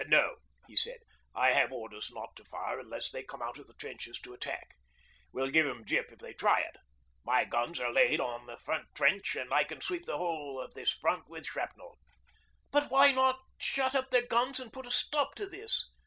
'No,' he said, 'I have orders not to fire unless they come out of the trenches to attack. We'll give 'em gyp if they try it. My guns are laid on their front trench and I can sweep the whole of this front with shrapnel.' 'But why not shut up their guns and put a stop to this?'